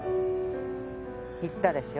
言ったでしょ。